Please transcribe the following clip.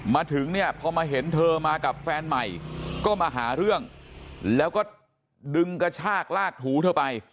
มาถึงเนี่ยพอมาเห็นเธอมากับแฟนใหม่ก็มาหาเรื่องแล้วก็ดึงกระชากลากถูเธอไป